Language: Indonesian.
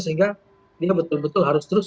sehingga dia betul betul harus terus